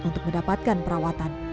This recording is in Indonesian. untuk mendapatkan perawatan